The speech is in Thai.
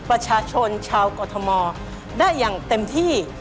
ประชาชนชาวกรทมได้อย่างเต็มที่